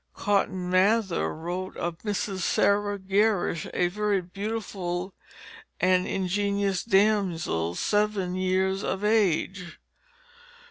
Cotton Mather wrote of "Mrs. Sarah Gerrish, a very beautiful and ingenious damsel seven years of age."